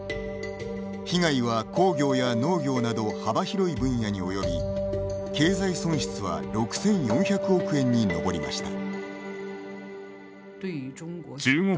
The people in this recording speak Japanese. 被害は工業や農業など幅広い分野に及び経済損失は６４００億円に上りました。